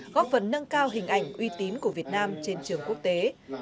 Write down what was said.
góp phần nâng cao hình ảnh uy tín của việt nam trên trường quốc tế